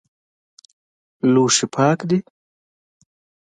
لوښي پاک دي؟